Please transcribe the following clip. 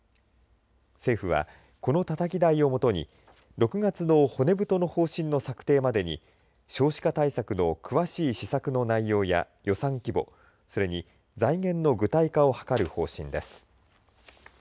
政府はこのたたき台を基に６月の骨太の方針の策定までに少子化対策の詳しい施策の内容や予算規模それに財源の具体化を図る方針です。